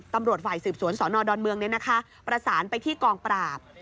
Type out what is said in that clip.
ตำรวจฝ่ายสืบสวนสนดอนเมืองประสานไปที่กองปราบ